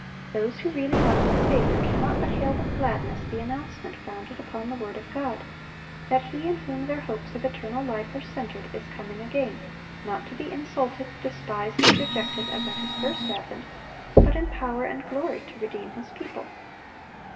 Those who really love the Saviour cannot but hail with gladness the announcement founded upon the word of God, that He in whom their hopes of eternal life are centered, is coming again, not to be insulted, despised, and rejected, as at His first advent, but in power and glory, to redeem His people.